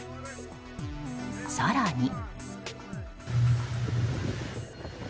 更に。